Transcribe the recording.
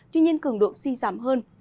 tuy nhiên cường độ suy giảm hơn